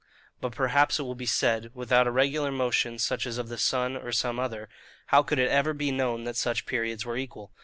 But perhaps it will be said,—without a regular motion, such as of the sun, or some other, how could it ever be known that such periods were equal?